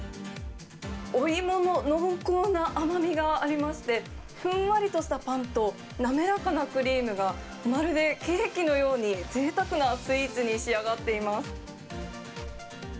お芋の濃厚な甘みがありまして、ふんわりとしたパンと、滑らかなクリームが、まるでケーキのように、ぜいたくなスイーツに仕上がっています。